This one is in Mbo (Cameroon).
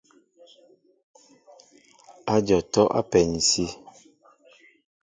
Ádyɔŋ atɔ́' á pɛ ni sí.